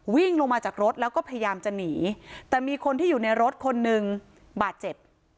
วิ่งลงมาจากรถแล้วก็พยายามจะหนีแต่มีคนที่อยู่ในรถคนหนึ่งบาดเจ็บ